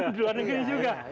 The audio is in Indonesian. di luar negeri juga